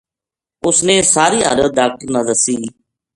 اس نے ساری حالت ڈاکٹر نا دسی